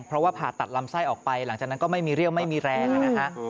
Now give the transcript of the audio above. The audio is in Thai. เพราะว่าผ่าตัดลำไส้ออกไปหลังจากนั้นก็ไม่มีเรี่ยวไม่มีแรงนะฮะ